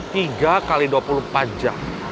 tiga kali dua puluh pajak